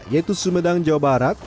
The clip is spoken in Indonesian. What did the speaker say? yaitu sumedang jawa barat